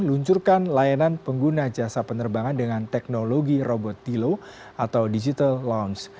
luncurkan layanan pengguna jasa penerbangan dengan teknologi robot tilo atau digital launch